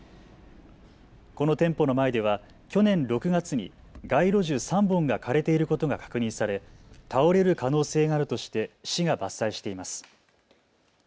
この店舗の前では去年６月に街路樹３本が枯れていることが確認され倒れる可能性があるとして市が伐採しています。